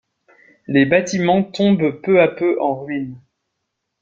Les bâtiments tombent peu à peu en ruine.